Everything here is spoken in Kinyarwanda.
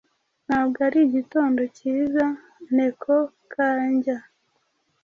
Ntabwo ari igitondo cyiza NekoKanjya